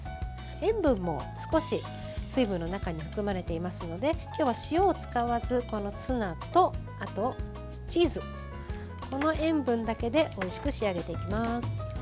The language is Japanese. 塩分も少し水分の中に含まれていますので今日は塩を使わずツナとあとチーズ、この塩分だけでおいしく仕上げていきます。